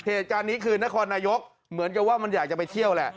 เหตุการณ์นี้คือนครนายกเหมือนกับว่ามันอยากจะไปเที่ยวแหละ